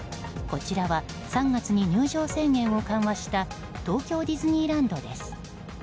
こちらは３月に入場制限を緩和した東京ディズニーランドです。